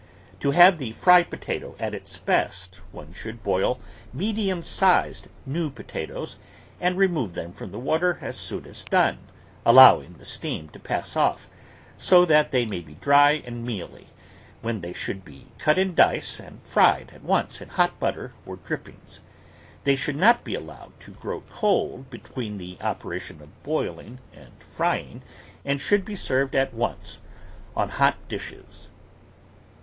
To have the fried potato at its best, one should boil medium sized, new potatoes and remove them from the water as soon as done, allowing the steam to pass off, so that they may be dry and mealy, when they should be cut in dice and fried at once in hot butter or drippings. They should not be al lowed to grow cold between the operation of boil ing and frying and should be served at once on hot dishes.